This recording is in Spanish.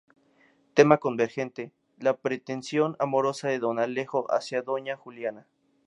Tema convergente: la pretensión amorosa de don Alejo hacia doña Juliana.